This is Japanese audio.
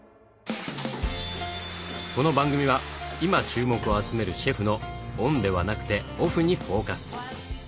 この番組は今注目を集めるシェフのオンではなくてオフにフォーカス。